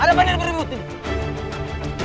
ada bander beribut ini